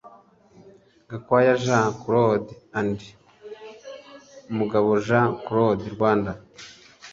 Gakwaya Jean Claude & Mugabo Jean Claude (Rwanda)